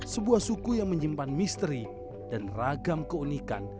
sebuah suku yang menyimpan misteri dan ragam keunikan